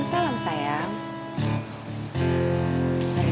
terus baik aja ya sendi